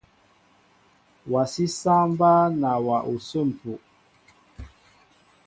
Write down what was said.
Wasi saŋ mba nawa osim epuh.